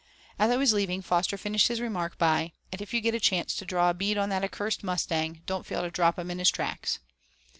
As I was leaving, Foster finished his remark by: "And if you get a chance to draw a bead on that accursed mustang, don't fail to drop him in his tracks."